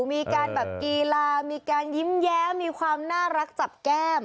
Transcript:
มีการแบบกีฬามีการยิ้มแย้มมีความน่ารักจับแก้ม